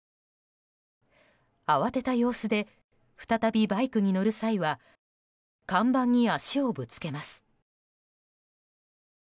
慌てた様子で再びバイクに乗る際は看板に足をぶつけます。